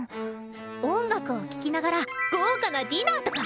音楽を聴きながら豪華なディナーとか？